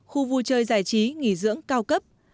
khu vui chơi giải trí nghỉ dưỡng cao cấp